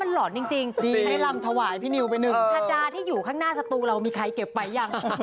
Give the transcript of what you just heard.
มาพร้อมดินตรีไทยเลย